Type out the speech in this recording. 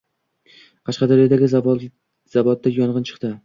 Qashqadaryodagi zavodda yongʻin chiqdi